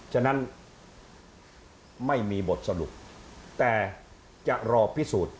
ฉะนั้นไม่มีบทสรุปแต่จะรอพิสูจน์